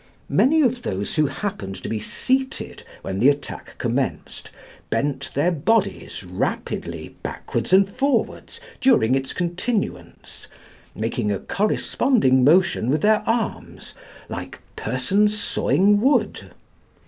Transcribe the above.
Many of those who happened to be seated when the attack commenced bent their bodies rapidly backwards and forwards during its continuance, making a corresponding motion with their arms, like persons sawing wood.